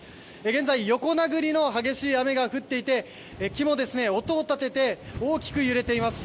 現在、横殴りの激しい雨が降っていて木も音を立てて大きく揺れています。